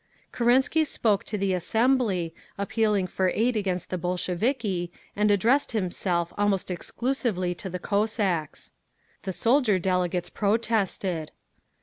Kerensky spoke to the assembly, appealing for aid against the Bolsheviki, and addressed himself almost exclusively to the Cossacks. The soldier delegates protested.